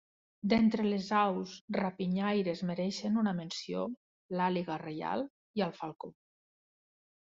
D'entre les aus rapinyaires mereixen una menció l'àguila reial i el falcó.